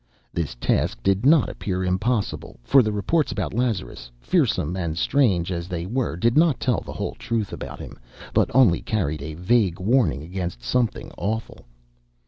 This task did not appear impossible, for the reports about Lazarus, fearsome and strange as they were, did not tell the whole truth about him, but only carried a vague warning against something awful.